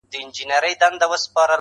په دربار كي جنرالانو بيعت وركړ.!